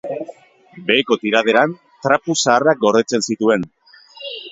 Beheko tiraderan trapu zaharrak gordetzen zituen.